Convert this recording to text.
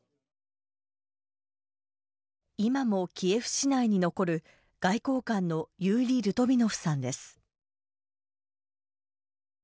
今もキエフ市内に残る外交官のユーリ・ルトビノフさんです。